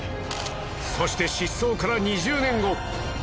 そして失踪から２０年後。